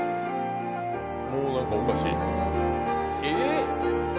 「もう何かおかしい」「えっ⁉」